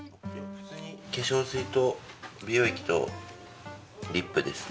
化粧水と美容液とリップですね。